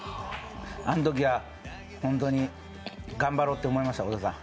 あのときはホントに頑張ろうって思いました、小田さん。